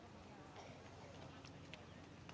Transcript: สวัสดีครับทุกคน